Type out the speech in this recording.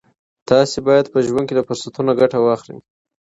تاسي باید په ژوند کي له فرصتونو ګټه واخلئ.